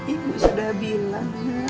ibu sudah bilang